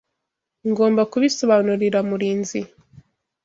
Ngomba kubisobanurira Murinzi.